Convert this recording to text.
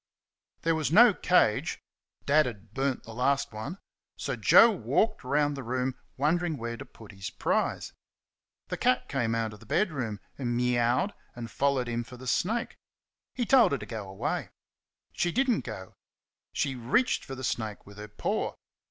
There was no cage Dad had burnt the last one so Joe walked round the room wondering where to put his prize. The cat came out of the bedroom and mewed and followed him for the snake. He told her to go away. She did n't go. She reached for the snake with her paw.